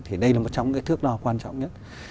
thì đây là một trong cái thước đo quan trọng nhất